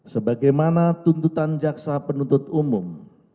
sebagaimana tuntutan jaksa penuntut umum